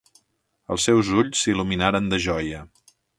Els seus ulls s'il·luminaren de joia.